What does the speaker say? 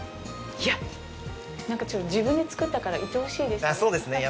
いや、なんかちょっと自分で作ったからいとおしいですね。